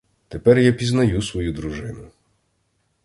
Тепер я пізнаю свою дружину.